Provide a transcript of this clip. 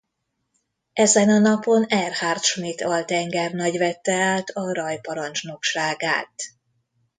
Ezen a napon Erhard Schmidt altengernagy vette át a raj parancsnokságát.